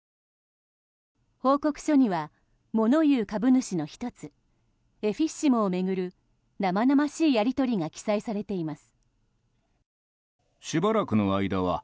報告書には、物言う株主の１つエフィッシモを巡る生々しいやり取りが記載されています。